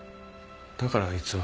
だからあいつは。